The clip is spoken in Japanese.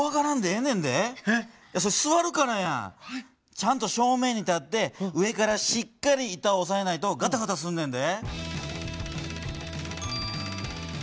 ちゃんと正面に立って上からしっかり板をおさえないとガタガタすんねんで。